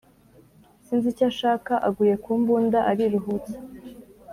sinzi icyashaka aguye kumbunda ariruhutsa